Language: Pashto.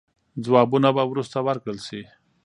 ځوابونه به وروسته ورکړل سي.